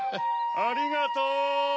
ありがとう！